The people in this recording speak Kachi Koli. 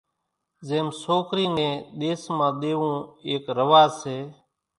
زيم سوڪرِي نين ۮيس ۮيوون ايڪ رواز سي۔